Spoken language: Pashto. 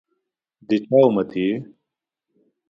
دچا اُمتي يی؟